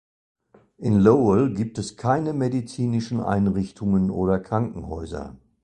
In Lowell gibt es keine medizinischen Einrichtungen oder Krankenhäuser.